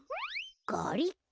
ガリック？